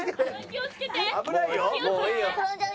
気をつけて。